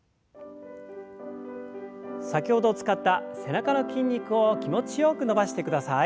先ほど使った背中の筋肉を気持ちよく伸ばしてください。